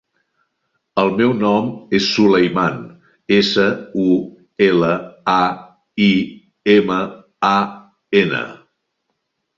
El meu nom és Sulaiman: essa, u, ela, a, i, ema, a, ena.